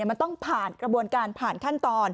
มันต้องผ่านกระบวนการผ่านขั้นตอน